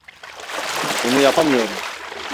Bunu yapamıyorum…